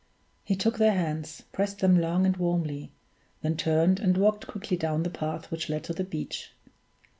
He took their hands, pressed them long and warmly, then turned and walked quickly down the path which led to the beach.